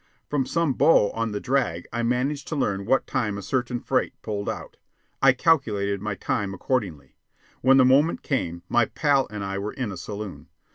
From some bo on the drag I managed to learn what time a certain freight pulled out. I calculated my time accordingly. When the moment came, my pal and I were in a saloon.